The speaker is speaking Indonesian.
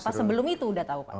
apa sebelum itu sudah tahu pak